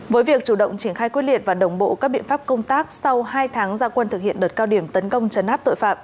với việc chủ động triển khai quyết liệt và đồng bộ các biện pháp công tác sau hai tháng gia quân thực hiện đợt cao điểm tấn công chấn áp tội phạm